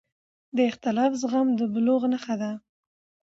د اختلاف زغم د بلوغ نښه ده